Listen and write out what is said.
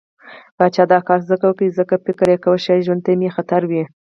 پاچا دا کار ځکه وکړ، ځکه فکر يې کوه شايد ژوند ته مې خطر وي.